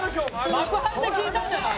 幕張で聞いたんじゃない？